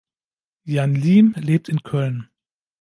Jan Liem lebt in Köln.